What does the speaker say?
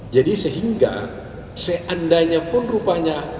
jadi sehingga seandainya pun rupanya